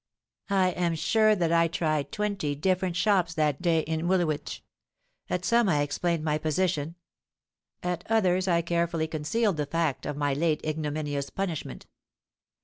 "I am sure that I tried twenty different shops that day in Woolwich. At some I explained my position—at others I carefully concealed the fact of my late ignominious punishment.